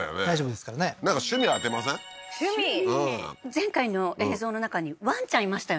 前回の映像の中にワンちゃんいましたよね？